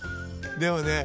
でもね